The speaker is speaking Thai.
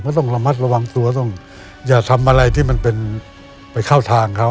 ต้องระมัดระวังตัวต้องอย่าทำอะไรที่มันเป็นไปเข้าทางเขา